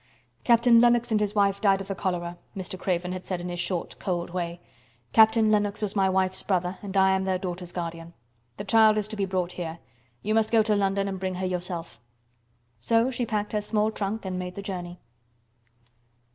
"Captain Lennox and his wife died of the cholera," Mr. Craven had said in his short, cold way. "Captain Lennox was my wife's brother and I am their daughter's guardian. The child is to be brought here. You must go to London and bring her yourself." So she packed her small trunk and made the journey.